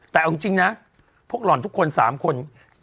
แต่เอาจริงนะพวกหล่อนทุกคน๓คน